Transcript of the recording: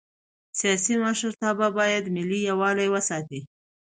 سیاسي مشرتابه باید ملي یووالی وساتي